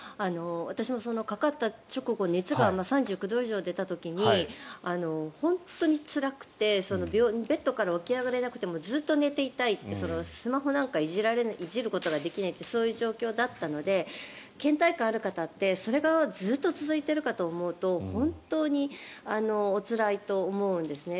私もかかった直後熱が３９度以上出た時に本当につらくてベッドから起き上がれなくてもずっと寝ていたいというスマホなんかいじることができないってそういう状況だったのでけん怠感がある方ってそれがずっと続いているかと思うと本当におつらいと思うんですね。